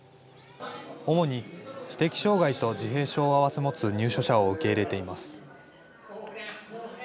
主に知的障害と自閉症を併せ持つ入所者を受け入れています。